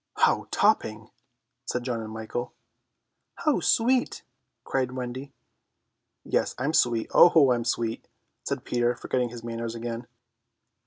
"How topping!" said John and Michael. "How sweet!" cried Wendy. "Yes, I'm sweet, oh, I am sweet!" said Peter, forgetting his manners again.